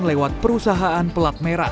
lewat perusahaan pelat merah